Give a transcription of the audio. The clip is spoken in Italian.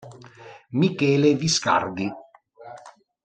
Michele Viscardi